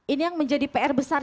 ini yang menjadi pr besar